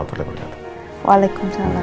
selamat siang pak